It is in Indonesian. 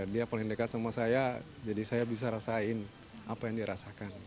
dia paling dekat sama saya jadi saya bisa rasain apa yang dia rasakan